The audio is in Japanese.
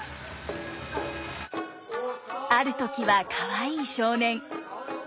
ある時はかわいい少年。